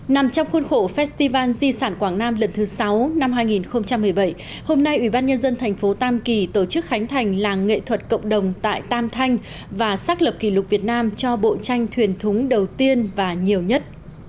nằm trong khuôn khổ festival di sản quảng nam lần thứ sáu năm hai nghìn một mươi bảy hôm nay ủy ban nhân dân thành phố tam kỳ tổ chức khánh thành làng nghệ thuật cộng đồng tại tam thanh và xác lập kỷ lục việt nam cho bộ tranh thuyền thúng đầu tiên và nhiều nhất